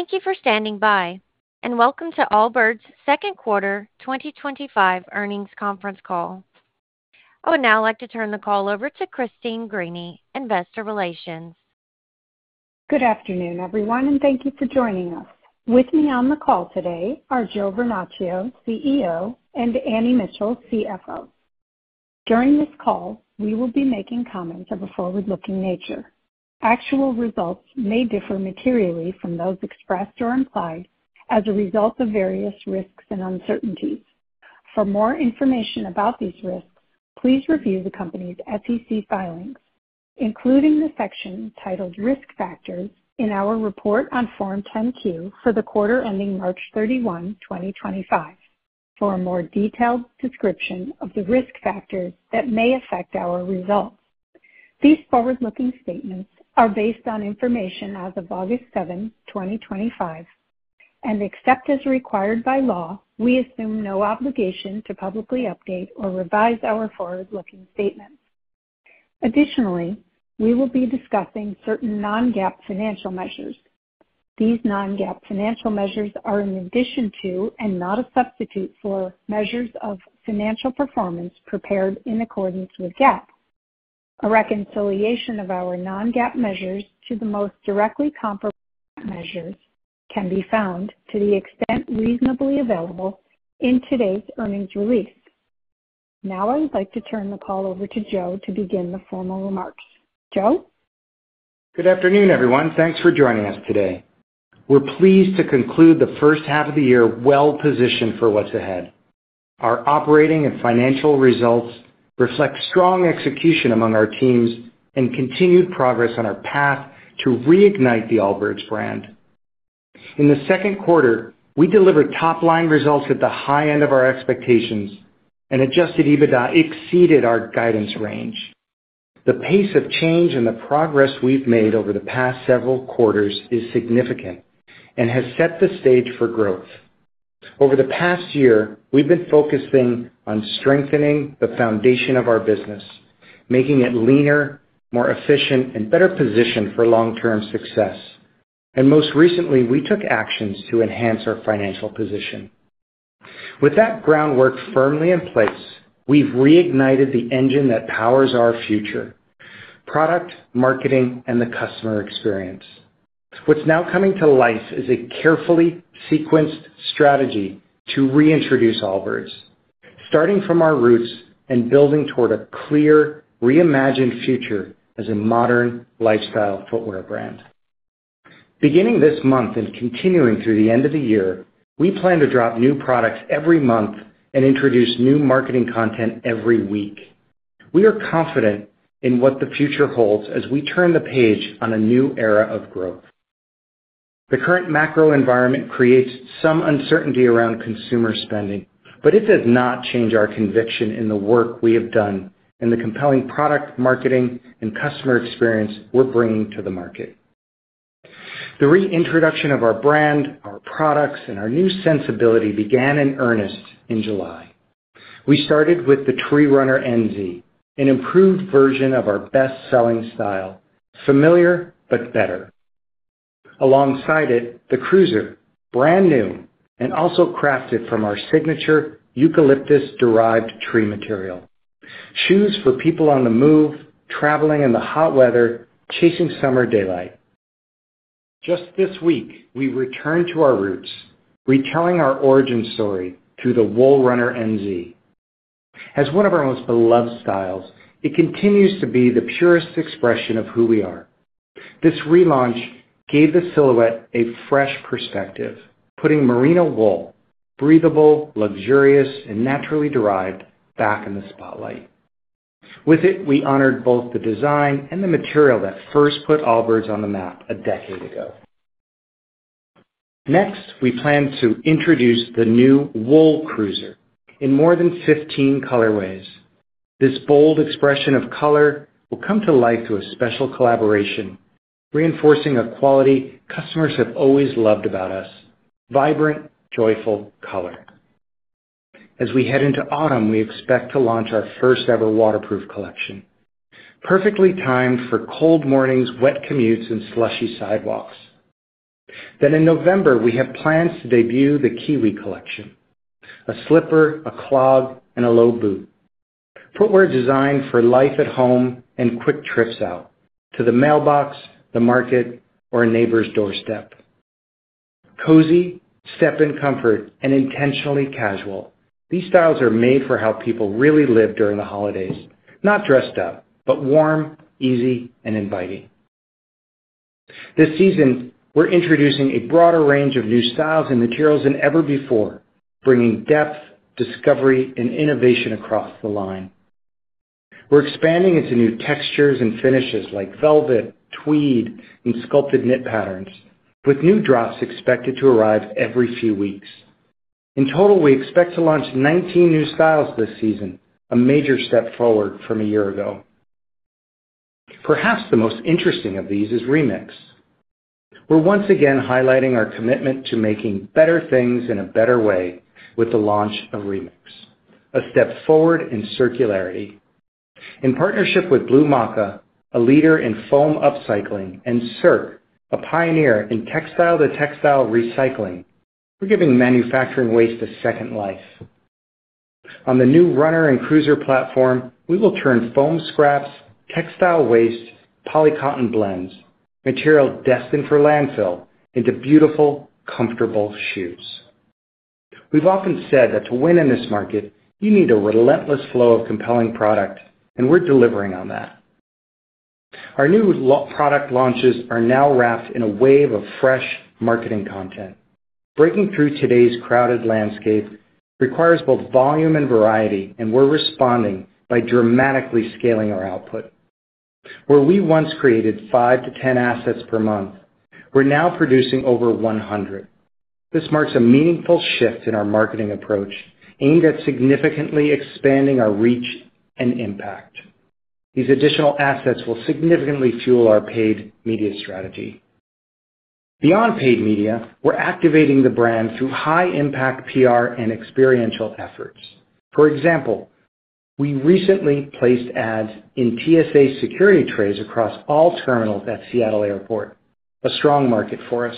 Thank you for standing by, and welcome to Allbirds' Second Quarter 2025 Earnings Conference Call. I would now like to turn the call over to Christine Greany, Investor Relations. Good afternoon, everyone, and thank you for joining us. With me on the call today are Joe Vernachio, CEO, and Annie Mitchell, CFO. During this call, we will be making comments of a forward-looking nature. Actual results may differ materially from those expressed or implied as a result of various risks and uncertainties. For more information about these risks, please review the company's SEC filings, including the section titled "Risk Factors" in our report on Form 10-Q for the quarter ending March 31, 2025, for a more detailed description of the risk factors that may affect our results. These forward-looking statements are based on information as of August 7, 2025, and except as required by law, we assume no obligation to publicly update or revise our forward-looking statements. Additionally, we will be discussing certain non-GAAP financial measures. These non-GAAP financial measures are an addition to and not a substitute for measures of financial performance prepared in accordance with GAAP. A reconciliation of our non-GAAP measures to the most directly comparable measures can be found, to the extent reasonably available, in today's earnings release. Now I would like to turn the call over to Joe to begin the formal remarks. Joe? Good afternoon, everyone. Thanks for joining us today. We're pleased to conclude the first half of the year well-positioned for what's ahead. Our operating and financial results reflect strong execution among our teams and continued progress on our path to reignite the Allbirds brand. In the second quarter, we delivered top-line results at the high end of our expectations, and adjusted EBITDA exceeded our guidance range. The pace of change and the progress we've made over the past several quarters is significant and has set the stage for growth. Over the past year, we've been focusing on strengthening the foundation of our business, making it leaner, more efficient, and better positioned for long-term success. Most recently, we took actions to enhance our financial position. With that groundwork firmly in place, we've reignited the engine that powers our future: product, marketing, and the customer experience. What's now coming to life is a carefully sequenced strategy to reintroduce Allbirds, starting from our roots and building toward a clear, reimagined future as a modern lifestyle footwear brand. Beginning this month and continuing through the end of the year, we plan to drop new products every month and introduce new marketing content every week. We are confident in what the future holds as we turn the page on a new era of growth. The current macro environment creates some uncertainty around consumer spending, but it does not change our conviction in the work we have done and the compelling product, marketing, and customer experience we're bringing to the market. The reintroduction of our brand, our products, and our new sensibility began in earnest in July. We started with the Tree Runner NZ, an improved version of our best-selling style, familiar but better. Alongside it, the Cruiser, brand new and also crafted from our signature eucalyptus-derived tree material. Shoes for people on the move, traveling in the hot weather, chasing summer daylight. Just this week, we returned to our roots, retelling our origin story through the Wool Runner NZ. As one of our most beloved styles, it continues to be the purest expression of who we are. This relaunch gave the silhouette a fresh perspective, putting merino wool, breathable, luxurious, and naturally derived back in the spotlight. With it, we honored both the design and the material that first put Allbirds on the map a decade ago. Next, we plan to introduce the new Wool Cruiser in more than 15 colorways. This bold expression of color will come to life through a special collaboration, reinforcing a quality customers have always loved about us: vibrant, joyful color. As we head into autumn, we expect to launch our first-ever waterproof collection, perfectly timed for cold mornings, wet commutes, and slushy sidewalks. In November, we have plans to debut the Kiwi collection: a slipper, a clog, and a low boot. Footwear designed for life at home and quick trips out to the mailbox, the market, or a neighbor's doorstep. Cozy, step in comfort, and intentionally casual, these styles are made for how people really live during the holidays, not dressed up, but warm, easy, and inviting. This season, we're introducing a broader range of new styles and materials than ever before, bringing depth, discovery, and innovation across the line. We're expanding into new textures and finishes like velvet, tweed, and sculpted knit patterns, with new drops expected to arrive every few weeks. In total, we expect to launch 19 new styles this season, a major step forward from a year ago. Perhaps the most interesting of these is Remix. We're once again highlighting our commitment to making better things in a better way with the launch of Remix, a step forward in circularity. In partnership with Blumaka, a leader in foam upcycling, and Circ, a pioneer in textile-to-textile recycling, we're giving manufacturing waste a second life. On the new Runner and Cruiser platform, we will turn foam scraps, textile waste, poly-cotton blends, material destined for landfill, into beautiful, comfortable shoes. We've often said that to win in this market, you need a relentless flow of compelling product, and we're delivering on that. Our new product launches are now wrapped in a wave of fresh marketing content. Breaking through today's crowded landscape requires both volume and variety, and we're responding by dramatically scaling our output. Where we once created five to 10 assets per month, we're now producing over 100. This marks a meaningful shift in our marketing approach, aimed at significantly expanding our reach and impact. These additional assets will significantly fuel our paid media strategy. Beyond paid media, we're activating the brand through high-impact PR and experiential efforts. For example, we recently placed ads in TSA security trays across all terminals at Seattle Airport, a strong market for us.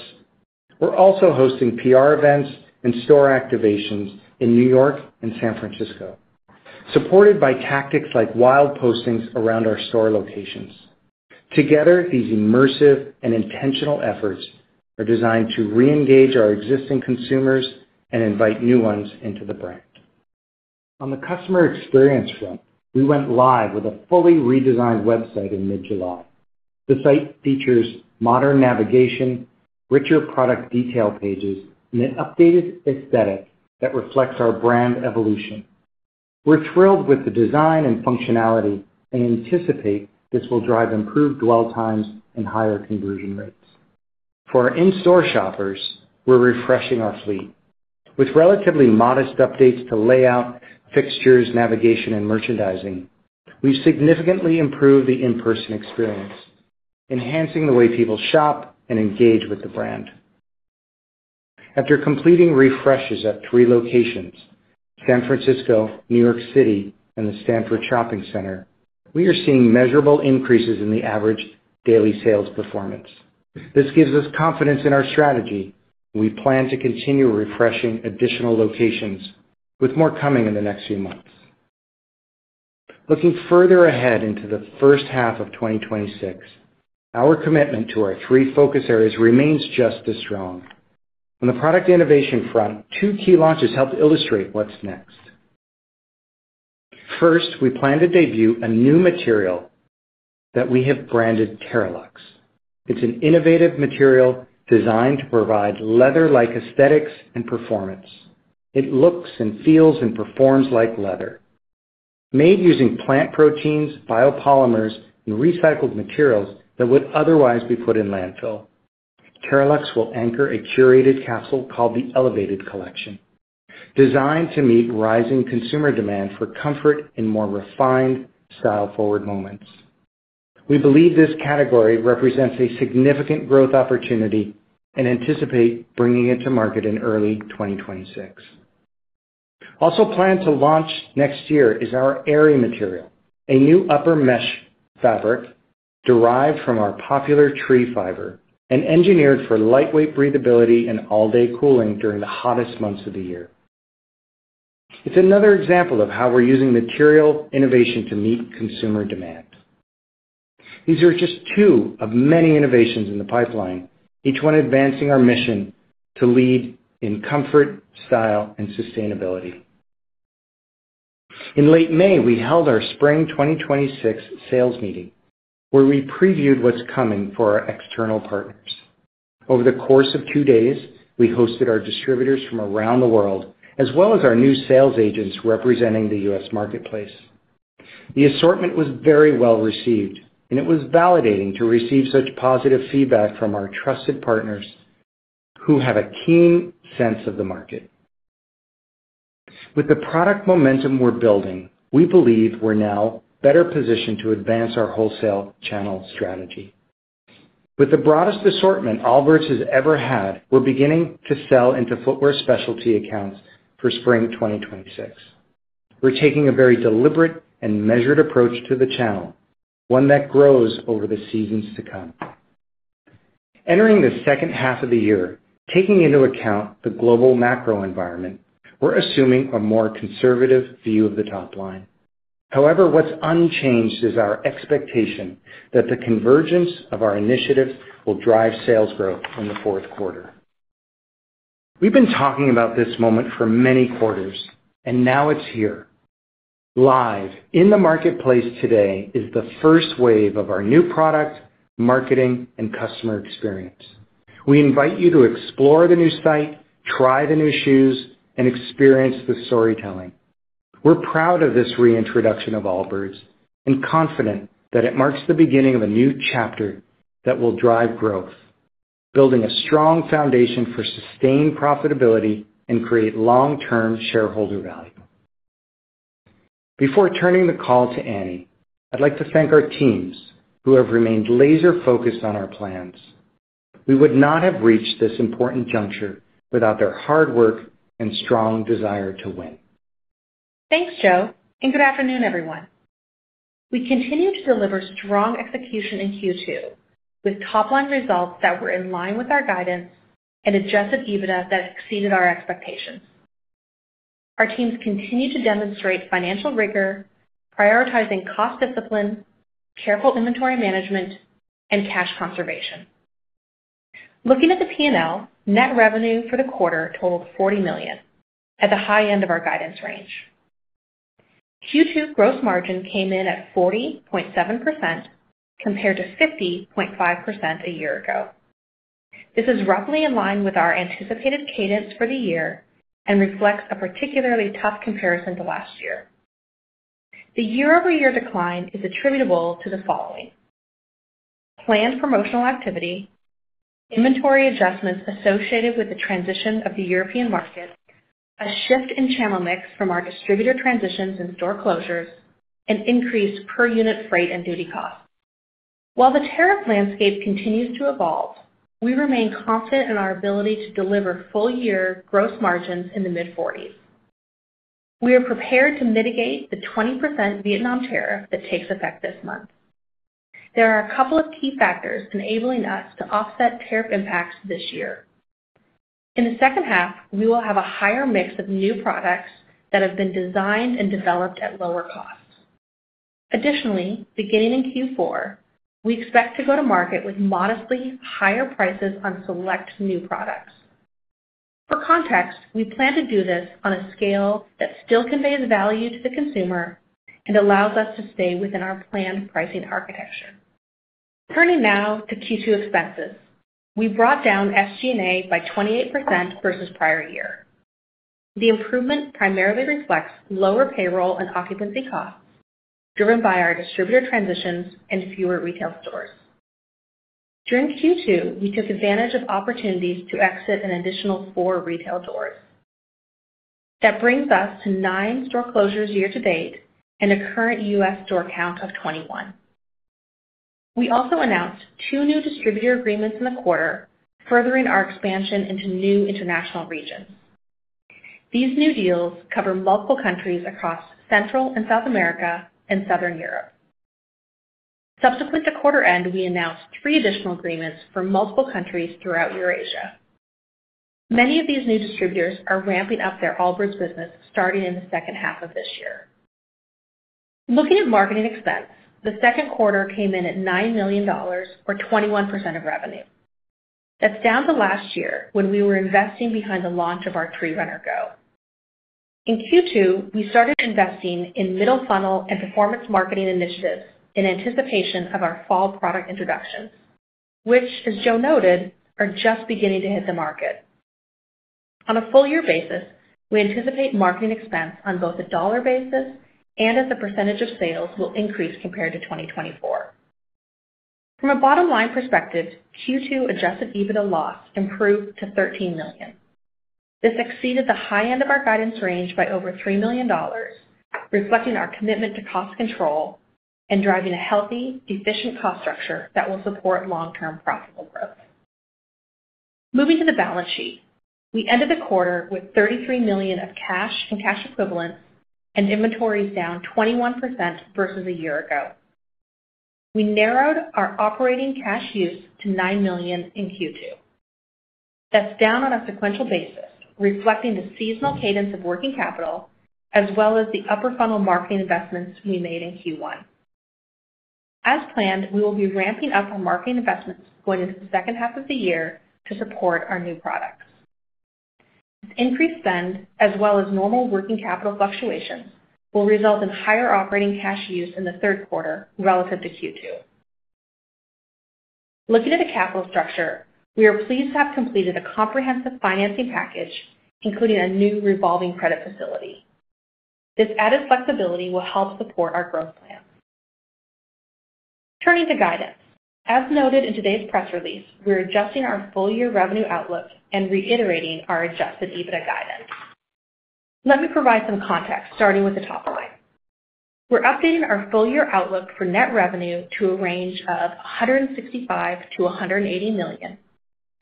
We're also hosting PR events and store activations in New York and San Francisco, supported by tactics like wild postings around our store locations. Together, these immersive and intentional efforts are designed to re-engage our existing consumers and invite new ones into the brand. On the customer experience front, we went live with a fully redesigned website in mid-July. The site features modern navigation, richer product detail pages, and an updated aesthetic that reflects our brand evolution. We're thrilled with the design and functionality and anticipate this will drive improved dwell times and higher conversion rates. For our in-store shoppers, we're refreshing our fleet. With relatively modest updates to layout, fixtures, navigation, and merchandising, we've significantly improved the in-person experience, enhancing the way people shop and engage with the brand. After completing refreshes at three locations: San Francisco, New York, and the Stanford Shopping Center, we are seeing measurable increases in the average daily sales performance. This gives us confidence in our strategy, and we plan to continue refreshing additional locations, with more coming in the next few months. Looking further ahead into the first half of 2026, our commitment to our three focus areas remains just as strong. On the product innovation front, two key launches help illustrate what's next. First, we plan to debut a new material that we have branded Terralux. It's an innovative material designed to provide leather-like aesthetics and performance. It looks and feels and performs like leather, made using plant proteins, biopolymers, and recycled materials that would otherwise be put in landfill. Terralux will anchor a curated capsule called the elevated collection, designed to meet rising consumer demand for comfort and more refined, style-forward moments. We believe this category represents a significant growth opportunity and anticipate bringing it to market in early 2026. Also planned to launch next year is our Aerie material, a new upper mesh fabric derived from our popular tree fiber and engineered for lightweight breathability and all-day cooling during the hottest months of the year. It's another example of how we're using material innovation to meet consumer demand. These are just two of many innovations in the pipeline, each one advancing our mission to lead in comfort, style, and sustainability. In late May, we held our Spring 2026 sales meeting, where we previewed what's coming for our external partners. Over the course of two days, we hosted our distributors from around the world, as well as our new sales agents representing the U.S. marketplace. The assortment was very well received, and it was validating to receive such positive feedback from our trusted partners who have a keen sense of the market. With the product momentum we're building, we believe we're now better positioned to advance our wholesale channel strategy. With the broadest assortment Allbirds has ever had, we're beginning to sell into footwear specialty accounts for Spring 2026. We're taking a very deliberate and measured approach to the channel, one that grows over the seasons to come. Entering the second half of the year, taking into account the global macro environment, we're assuming a more conservative view of the top line. However, what's unchanged is our expectation that the convergence of our initiatives will drive sales growth on the fourth quarter. We've been talking about this moment for many quarters, and now it's here. Live in the marketplace today is the first wave of our new product, marketing, and customer experience. We invite you to explore the new site, try the new shoes, and experience the storytelling. We're proud of this reintroduction of Allbirds and confident that it marks the beginning of a new chapter that will drive growth, building a strong foundation for sustained profitability and creating long-term shareholder value. Before turning the call to Annie, I'd like to thank our teams who have remained laser-focused on our plans. We would not have reached this important juncture without their hard work and strong desire to win. Thanks, Joe, and good afternoon, everyone. We continue to deliver strong execution in Q2, with top-line results that were in line with our guidance and adjusted EBITDA that exceeded our expectations. Our teams continue to demonstrate financial rigor, prioritizing cost discipline, careful inventory management, and cash conservation. Looking at the P&L, net revenue for the quarter totaled $40 million at the high end of our guidance range. Q2 gross margin came in at 40.7% compared to 50.5% a year ago. This is roughly in line with our anticipated cadence for the year and reflects a particularly tough comparison to last year. The year-over-year decline is attributable to the following: planned promotional activity, inventory adjustments associated with the transition of the European market, a shift in channel mix from our distributor transitions and store closures, and increased per unit freight and duty costs. While the tariff landscape continues to evolve, we remain confident in our ability to deliver full-year gross margins in the mid-40%. We are prepared to mitigate the 20% Vietnam tariff that takes effect this month. There are a couple of key factors enabling us to offset tariff impacts this year. In the second half, we will have a higher mix of new products that have been designed and developed at lower costs. Additionally, beginning in Q4, we expect to go to market with modestly higher prices on select new products. For context, we plan to do this on a scale that still conveys value to the consumer and allows us to stay within our planned pricing architecture. Turning now to Q2 expenses, we brought down SG&A by 28% versus prior year. The improvement primarily reflects lower payroll and occupancy costs, driven by our distributor transitions and fewer retail stores. During Q2, we took advantage of opportunities to exit an additional four retail doors. That brings us to nine store closures year to date and a current U.S. store count of 21. We also announced two new distributor agreements in the quarter, furthering our expansion into new international regions. These new deals cover multiple countries across Central and South America and Southern Europe. Subsequent to quarter end, we announced three additional agreements for multiple countries throughout Eurasia. Many of these new distributors are ramping up their Allbirds business, starting in the second half of this year. Looking at marketing expense, the second quarter came in at $9 million, or 21% of revenue. That's down to last year when we were investing behind the launch of our Tree Runner Go. In Q2, we started investing in middle funnel and performance marketing initiatives in anticipation of our fall product introduction, which, as Joe noted, are just beginning to hit the market. On a full-year basis, we anticipate marketing expense on both a dollar basis and as a percentage of sales will increase compared to 2024. From a bottom line perspective, Q2 adjusted EBITDA loss improved to $13 million. This exceeded the high end of our guidance range by over $3 million, reflecting our commitment to cost control and driving a healthy, efficient cost structure that will support long-term profitable growth. Moving to the balance sheet, we ended the quarter with $33 million of cash and cash equivalents, and inventory is down 21% versus a year ago. We narrowed our operating cash use to $9 million in Q2. That's down on a sequential basis, reflecting the seasonal cadence of working capital, as well as the upper funnel marketing investments we made in Q1. As planned, we will be ramping up our marketing investments going into the second half of the year to support our new products. Increased spend, as well as normal working capital fluctuation, will result in higher operating cash use in the third quarter relative to Q2. Looking at the capital structure, we are pleased to have completed a comprehensive financing package, including a new revolving credit facility. This added flexibility will help support our growth plans. Turning to guidance, as noted in today's press release, we're adjusting our full-year revenue outlook and reiterating our adjusted EBITDA guidance. Let me provide some context, starting with the top line. We're updating our full-year outlook for net revenue to a range of $165 million-$180 million,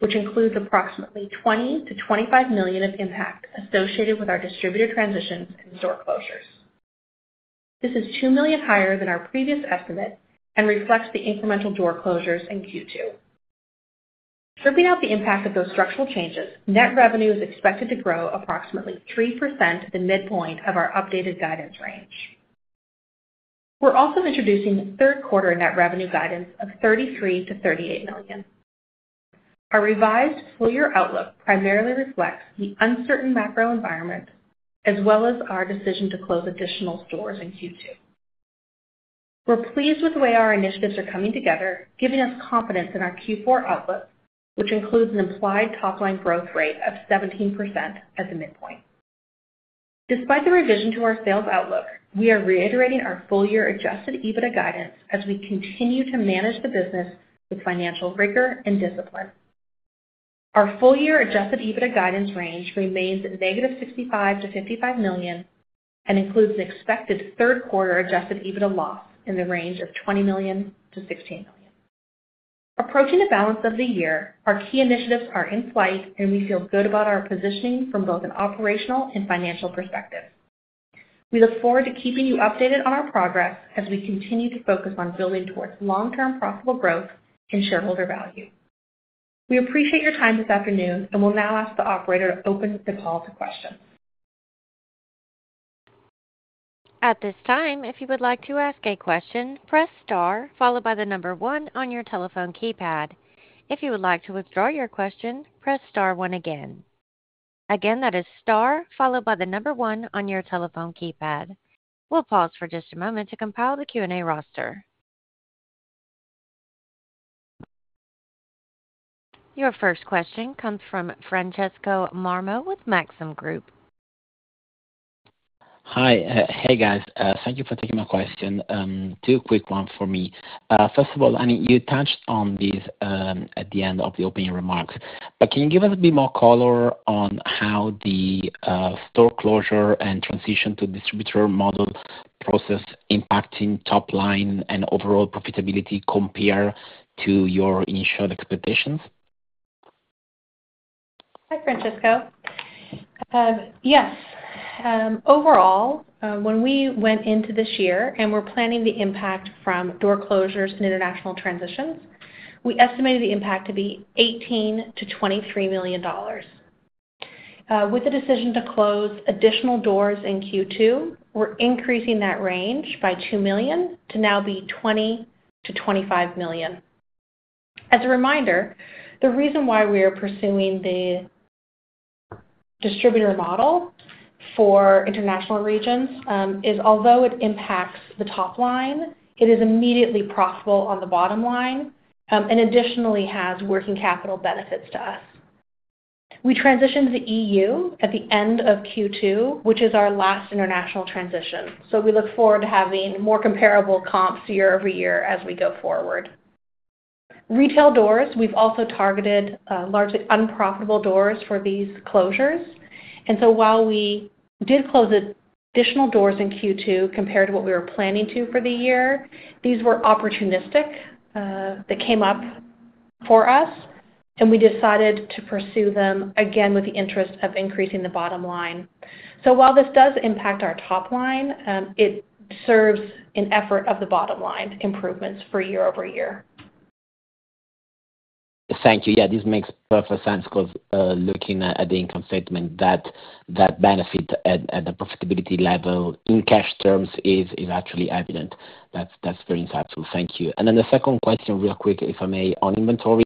which includes approximately $20 million-$25 million of impact associated with our distributor transitions and store closures. This is $2 million higher than our previous estimate and reflects the incremental door closures in Q2. Dripping out the impact of those structural changes, net revenue is expected to grow approximately 3% at the midpoint of our updated guidance range. We're also introducing third quarter net revenue guidance of $33 million-$38 million. Our revised full-year outlook primarily reflects the uncertain macro environment, as well as our decision to close additional stores in Q2. We're pleased with the way our initiatives are coming together, giving us confidence in our Q4 outlook, which includes an implied top-line growth rate of 17% as a midpoint. Despite the revision to our sales outlook, we are reiterating our full-year adjusted EBITDA guidance as we continue to manage the business with financial rigor and discipline. Our full-year adjusted EBITDA guidance range remains at -$65 million to -$55 million and includes an expected third quarter adjusted EBITDA loss in the range of $20 million to $16 million. Approaching the balance of the year, our key initiatives are in flight, and we feel good about our positioning from both an operational and financial perspective. We look forward to keeping you updated on our progress as we continue to focus on building towards long-term profitable growth and shareholder value. We appreciate your time this afternoon, and we'll now ask the operator to open the call to questions. At this time, if you would like to ask a question, press star followed by the number one on your telephone keypad. If you would like to withdraw your question, press star one again. Again, that is star followed by the number one on your telephone keypad. We'll pause for just a moment to compile the Q&A roster. Your first question comes from Francesco Marmo with Maxim Group. Hi. Thank you for taking my question. Two quick ones for me. First of all, Annie, you touched on this at the end of the opening remarks, but can you give us a bit more color on how the store closure and transition to distributor model process is impacting top line and overall profitability compared to your initial expectations? Hi, Francesco. Yes. Overall, when we went into this year and were planning the impact from door closures and international transitions, we estimated the impact to be $18 million-$23 million. With the decision to close additional doors in Q2, we're increasing that range by $2 million to now be $20 million-$25 million. As a reminder, the reason why we are pursuing the distributor model for international regions is although it impacts the top line, it is immediately profitable on the bottom line and additionally has working capital benefits to us. We transitioned to the EU at the end of Q2, which is our last international transition. We look forward to having more comparable comps year-over-year as we go forward. Retail doors, we've also targeted largely unprofitable doors for these closures. While we did close additional doors in Q2 compared to what we were planning to for the year, these were opportunistic that came up for us, and we decided to pursue them again with the interest of increasing the bottom line. While this does impact our top line, it serves an effort of the bottom line improvements for year-over-year. Thank you. Yeah, this makes perfect sense because looking at the income statement, that benefit at the profitability level in cash terms is actually evident. That's very insightful. Thank you. The second question, real quick, if I may, on inventory.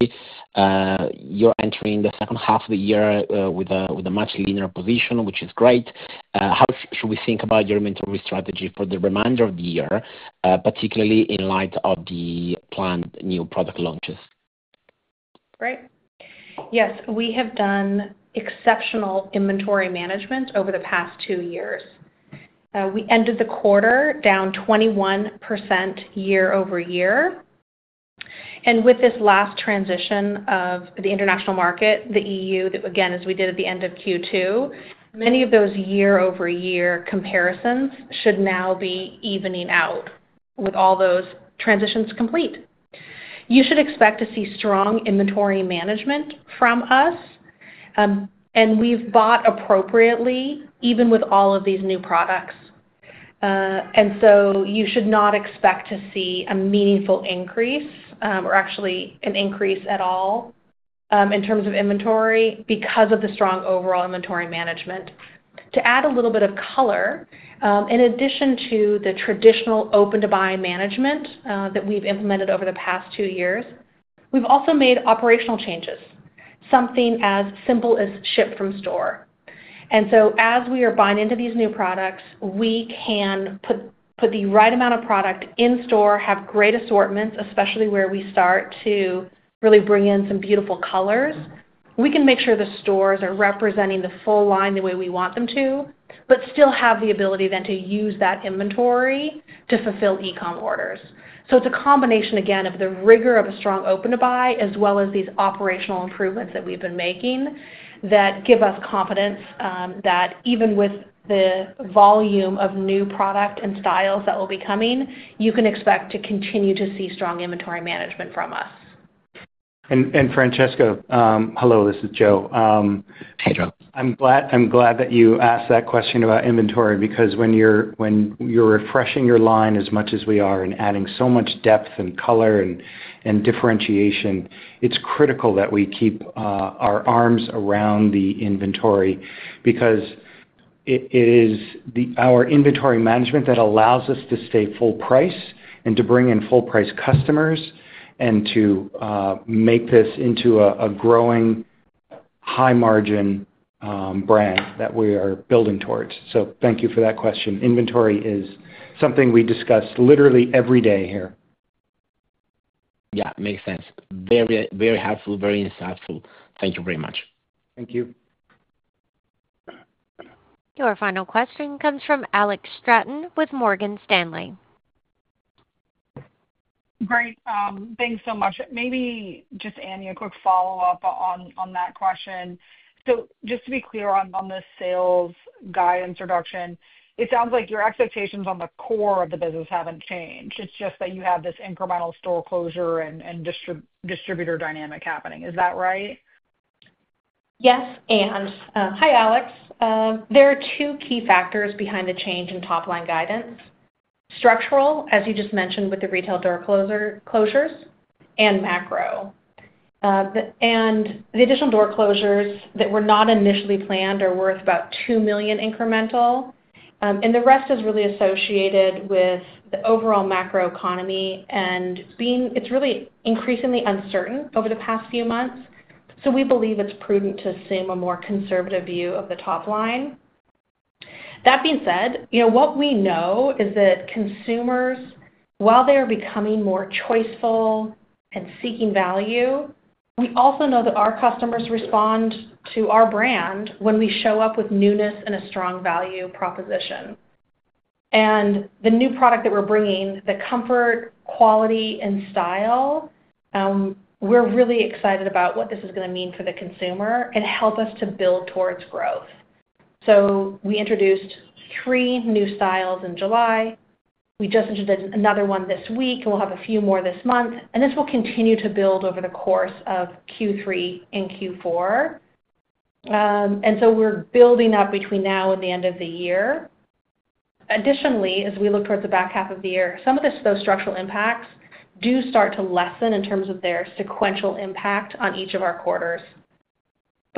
You're entering the second half of the year with a much leaner position, which is great. How should we think about your inventory strategy for the remainder of the year, particularly in light of the planned new product launches? Right. Yes, we have done exceptional inventory management over the past two years. We ended the quarter down 21% year-over-year. With this last transition of the international market, the EU, that again, as we did at the end of Q2, many of those year-over-year comparisons should now be evening out with all those transitions complete. You should expect to see strong inventory management from us, and we've bought appropriately, even with all of these new products. You should not expect to see a meaningful increase or actually an increase at all in terms of inventory because of the strong overall inventory management. To add a little bit of color, in addition to the traditional open-to-buy management that we've implemented over the past two years, we've also made operational changes, something as simple as ship from store. As we are buying into these new products, we can put the right amount of product in store, have great assortments, especially where we start to really bring in some beautiful colors. We can make sure the stores are representing the full line the way we want them to, but still have the ability then to use that inventory to fulfill e-comm orders. It is a combination, again, of the rigor of a strong open-to-buy, as well as these operational improvements that we've been making that give us confidence that even with the volume of new product and styles that will be coming, you can expect to continue to see strong inventory management from us. Francesco, hello, this is Joe. Hey, Joe. I'm glad that you asked that question about inventory because when you're refreshing your line as much as we are and adding so much depth and color and differentiation, it's critical that we keep our arms around the inventory. It is our inventory management that allows us to stay full price and to bring in full-price customers and to make this into a growing high-margin brand that we are building towards. Thank you for that question. Inventory is something we discuss literally every day here. Yeah, it makes sense. Very, very helpful, very insightful. Thank you very much. Thank you. Your final question comes from Alex Straton with Morgan Stanley. Great, thanks so much. Maybe just, Annie, a quick follow-up on that question. Just to be clear on this sales guidance reduction, it sounds like your expectations on the core of the business haven't changed. It's just that you have this incremental store closure and distributor dynamic happening. Is that right? Yes, Annie. Hi, Alex. There are two key factors behind the change in top-line guidance: structural, as you just mentioned with the retail door closures, and macro. The additional door closures that were not initially planned are worth about $2 million incremental. The rest is really associated with the overall macro economy, and it's really increasingly uncertain over the past few months. We believe it's prudent to assume a more conservative view of the top line. That being said, you know what we know is that consumers, while they are becoming more choiceful and seeking value, we also know that our customers respond to our brand when we show up with newness and a strong value proposition. The new product that we're bringing, the comfort, quality, and style, we're really excited about what this is going to mean for the consumer and help us to build towards growth. We introduced three new styles in July. We just introduced another one this week, and we'll have a few more this month. This will continue to build over the course of Q3 and Q4, and we're building up between now and the end of the year. Additionally, as we look towards the back half of the year, some of those structural impacts do start to lessen in terms of their sequential impact on each of our quarters.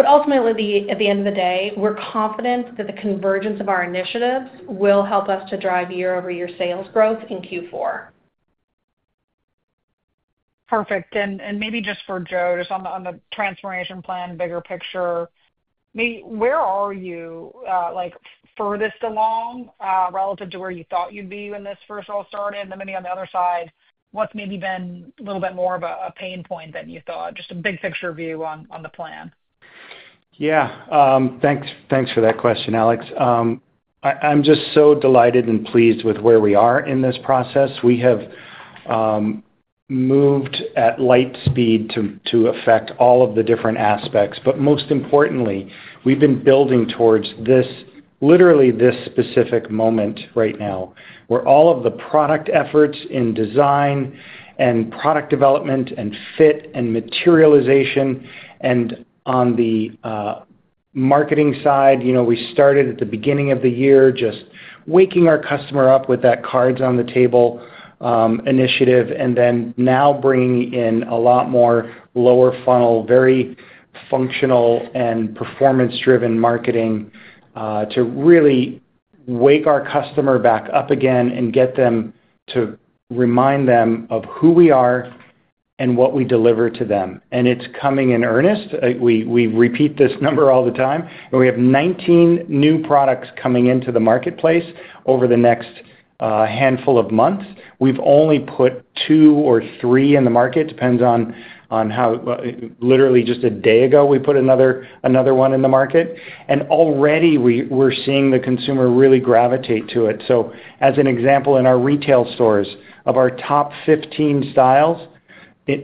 Ultimately, at the end of the day, we're confident that the convergence of our initiatives will help us to drive year-over-year sales growth in Q4. Perfect. Maybe just for Joe, just on the transformation plan, bigger picture, where are you furthest along relative to where you thought you'd be when this first all started? On the other side, what's maybe been a little bit more of a pain point than you thought? Just a big-picture view on the plan. Yeah. Thanks for that question, Alex. I'm just so delighted and pleased with where we are in this process. We have moved at light speed to affect all of the different aspects. Most importantly, we've been building towards this, literally this specific moment right now, where all of the product efforts in design and product development and fit and materialization. On the marketing side, you know we started at the beginning of the year just waking our customer up with that Cards on the Table initiative and now bringing in a lot more lower funnel, very functional and performance-driven marketing to really wake our customer back up again and get them to remind them of who we are and what we deliver to them. It's coming in earnest. We repeat this number all the time. We have 19 new products coming into the marketplace over the next handful of months. We've only put two or three in the market. It depends on how, literally just a day ago, we put another one in the market. Already, we're seeing the consumer really gravitate to it. As an example, in our retail stores of our top 15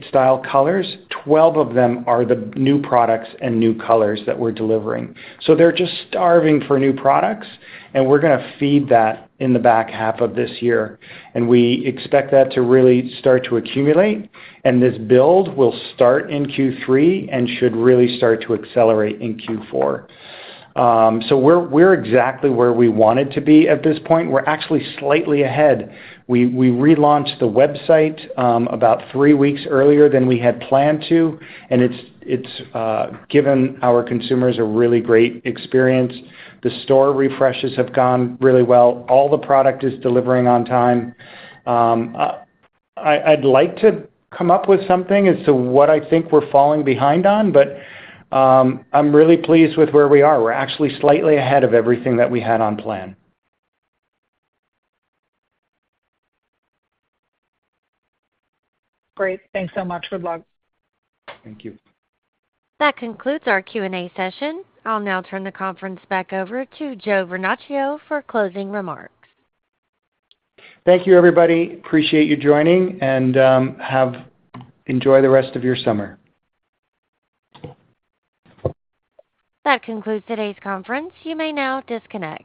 style colors, 12 of them are the new products and new colors that we're delivering. They're just starving for new products. We're going to feed that in the back half of this year. We expect that to really start to accumulate. This build will start in Q3 and should really start to accelerate in Q4. We're exactly where we wanted to be at this point. We're actually slightly ahead. We relaunched the website about three weeks earlier than we had planned to. It's given our consumers a really great experience. The store refreshes have gone really well. All the product is delivering on time. I'd like to come up with something as to what I think we're falling behind on, but I'm really pleased with where we are. We're actually slightly ahead of everything that we had on plan. Great, thanks so much. Good luck. Thank you. That concludes our Q&A session. I'll now turn the conference back over to Joe Vernachio for a closing remark. Thank you, everybody. Appreciate you joining, and enjoy the rest of your summer. That concludes today's conference. You may now disconnect.